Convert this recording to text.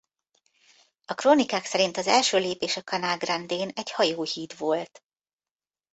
A krónikák szerint az első lépés a Canal Grandén egy hajóhíd volt.